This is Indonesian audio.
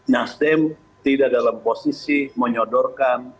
nasdem tidak dalam posisi menyodorkan